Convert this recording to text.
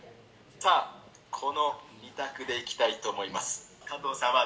さぁ、この２択でいきたいと思います。